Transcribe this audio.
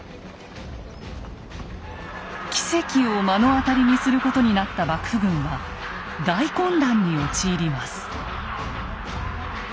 奇跡を目の当たりにすることになった幕府軍は大混乱に陥ります。